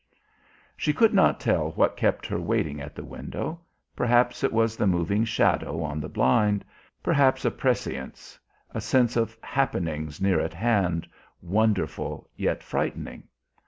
She could not tell what kept her waiting at the window; perhaps it was the moving shadow on the blind, perhaps a prescience, a sense of happenings near at hand, wonderful yet frightening.